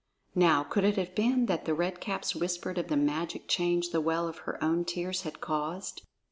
(Now could it have been that the Red Caps whispered of the magic change the well of her own tears had caused?)